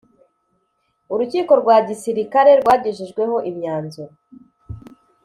Urukiko rwa Gisirikare rwagejejweho imyanzuro